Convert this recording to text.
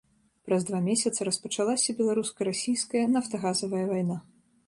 Праз два месяца распачалася беларуска-расійская нафтагазавая вайна.